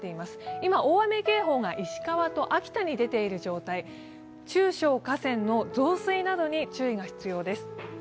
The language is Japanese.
今、大雨警報が石川と秋田に出ている状態、中小河川の増水などに注意が必要です。